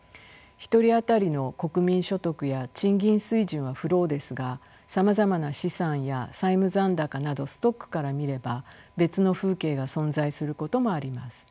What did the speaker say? １人当たりの国民所得や賃金水準はフローですがさまざまな資産や債務残高などストックから見れば別の風景が存在することもあります。